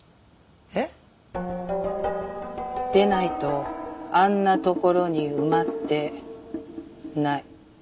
えっ？でないとあんな所に埋まってない。